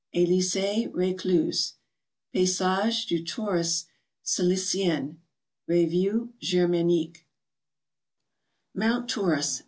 Elis^e Reclus. Faysages du Taurus cili cien. Revue Germanique. MOUNT TAURUS.